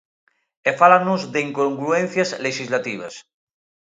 E fálannos de incongruencias lexislativas.